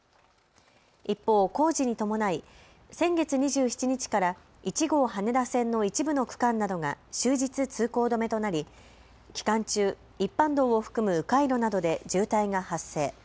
一方、工事に伴い先月２７日から１号羽田線の一部の区間などが終日通行止めとなり期間中、一般道を含むう回路などで渋滞が発生。